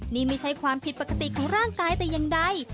นี่ไม่ใช่ความผิดปกติของร่างกายแต่อย่างใด